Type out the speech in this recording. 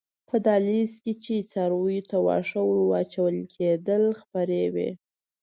په دهلېز کې چې څارویو ته واښه ور اچول کېدل خپرې وې.